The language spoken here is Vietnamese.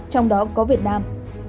trong đó có việt nam